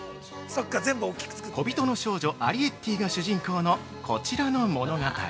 ◆小人の少女、アリエッティが主人公のこちらの物語。